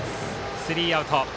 スリーアウト。